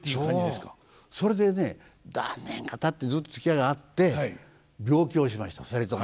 それでね何年かたってずっとつきあいがあって病気をしました２人とも。